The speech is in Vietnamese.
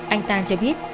anh ta cho biết